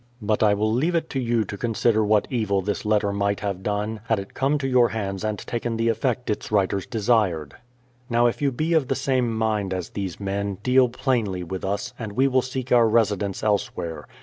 *... But I will leave it to 3 ou to consider what evil this letter might have done, had it come to your hands and taken the effect its writers desired. Now if you be of the same mind as these men, deal plainly with us, and we will seek our residence elsewhere.